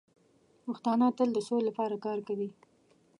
پښتانه تل د سولې لپاره کار کوي.